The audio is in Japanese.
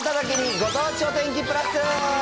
ご当地お天気プラス。